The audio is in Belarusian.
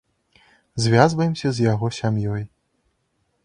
Звязваемся з яго сям'ёй.